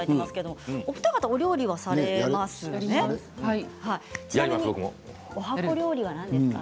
お二方、お料理はされますか。